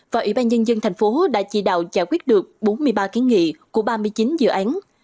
và ủy ban nhân dân thành phố đã chỉ đạo giải quyết được bốn mươi ba kiến nghị của ba mươi chín dự án